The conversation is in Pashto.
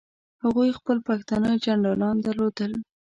هغوی خپل پښتانه جنرالان درلودل.